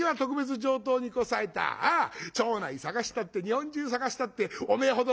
町内探したって日本中探したっておめえほどのいい女はいねえよ。